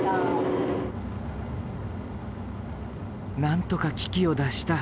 なんとか危機を脱した。